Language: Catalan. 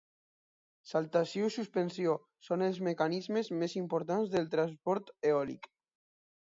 Saltació i suspensió són els mecanismes més importants del transport eòlic.